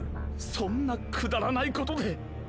そんなくだらないことでッ！